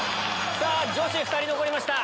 女子２人残りました！